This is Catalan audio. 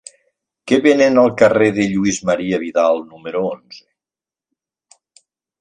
Què venen al carrer de Lluís Marià Vidal número onze?